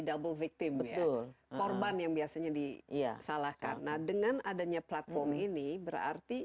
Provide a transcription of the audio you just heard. double victim betul korban yang biasanya disalahkan nah dengan adanya platform ini berarti